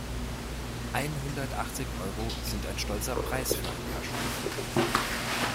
Einhundertachtzig Euro sind ein stolzer Preis für ein Paar Stiefel.